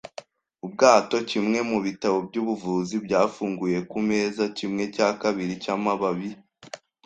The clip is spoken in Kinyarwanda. ubwato. Kimwe mu bitabo by'ubuvuzi byafunguye ku meza, kimwe cya kabiri cy'amababi